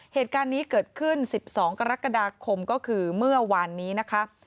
เหตุการณ์นี้เกิดขึ้น๑๒กรกฎาคมก็คือเมื่อวานนี้นะคะ